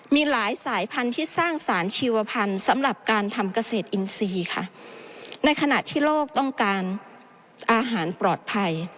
มีหลายสายพันธุ์ที่สร้างสารชีวพันธุ์สำหรับการทำเกษตรอินทรีย์ค่ะในขณะที่โลกต้องการอาหารปลอดภัย